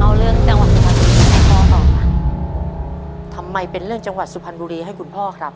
เอาเรื่องจังหวัดสุพรรณบุรีให้พ่อต่อค่ะทำไมเป็นเรื่องจังหวัดสุพรรณบุรีให้คุณพ่อครับ